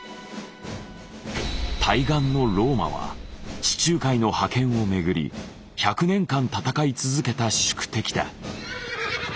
対岸のローマは地中海の覇権をめぐり１００年間戦い続けた宿敵だ。